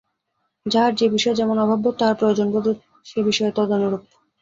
যাহার যে-বিষয়ে যেমন অভাববোধ, তাহার প্রয়োজনবোধও সেই বিষয়ে তদনুরূপ।